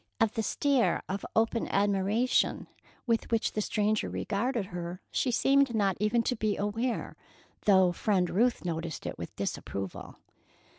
Of the stare of open admiration with which the stranger regarded her, she seemed not even to be aware, though Friend Ruth noticed it with disapproval.